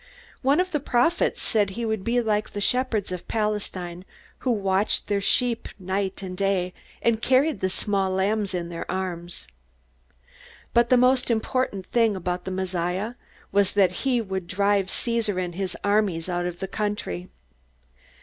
One of the prophets said he would be like the shepherds of Palestine, who watched their sheep night and day, and carried the small lambs in their arms. But the most important thing about the Messiah was that he would drive Caesar and his armies out of the country.